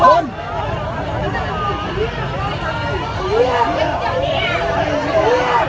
เฮียเฮียเฮีย